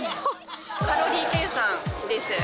カロリー計算です。